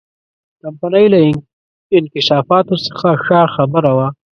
کمپنۍ له انکشافاتو څخه ښه خبره وه.